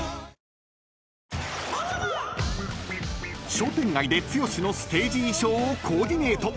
［商店街で剛のステージ衣装をコーディネート］